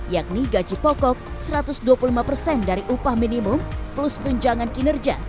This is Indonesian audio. yakni gaji pokok satu ratus dua puluh lima persen dari upah minimum plus tunjangan kinerja